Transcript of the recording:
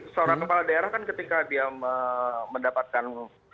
seorang kepala daerah kan ketika dia mendapatkan